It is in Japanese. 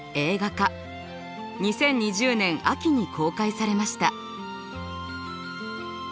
２０２０年秋に公開されました。